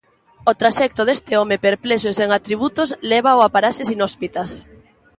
O traxecto deste home perplexo e sen atributos lévao a paraxes inhóspitas.